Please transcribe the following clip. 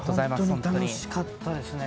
本当に楽しかったですね。